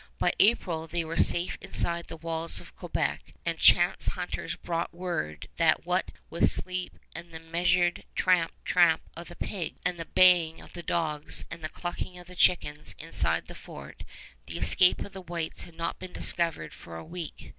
By April they were safe inside the walls of Quebec, and chance hunters brought word that what with sleep, and the measured tramp, tramp of the pig, and the baying of the dogs, and the clucking of the chickens inside the fort, the escape of the whites had not been discovered for a week.